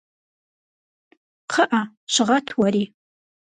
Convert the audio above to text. КхъыӀэ, щыгъэт уэри!